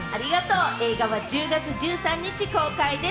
映画は１０月１３日公開です。